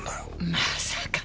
まさか！